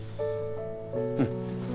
うん。